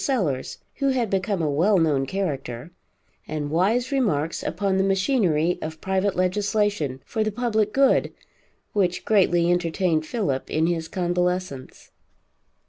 Sellers, who had become a well known character, and wise remarks upon the machinery of private legislation for the public good, which greatly entertained Philip in his convalescence.